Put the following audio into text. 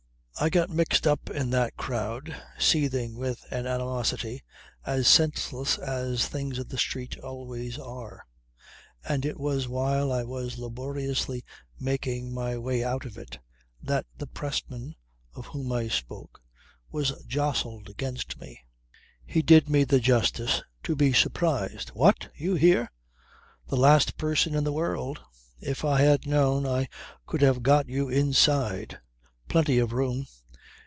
I got mixed up in that crowd seething with an animosity as senseless as things of the street always are, and it was while I was laboriously making my way out of it that the pressman of whom I spoke was jostled against me. He did me the justice to be surprised. "What? You here! The last person in the world ... If I had known I could have got you inside. Plenty of room.